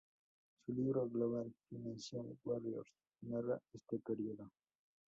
Su libro "Global Financial Warriors" narra este período.